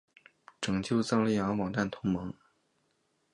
拯救藏羚羊网站同盟